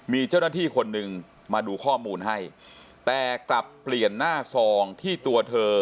มีเจ้าหน้าที่คนหนึ่งมาดูข้อมูลให้แต่กลับเปลี่ยนหน้าซองที่ตัวเธอ